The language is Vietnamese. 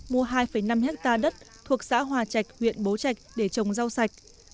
mua hai năm hectare đất thuộc xã hòa trạch huyện bố trạch để trồng rau sạch